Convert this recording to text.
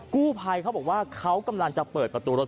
กู้ภัยเขาบอกว่าเขากำลังจะเปิดประตูรถ